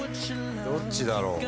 どっちだろう？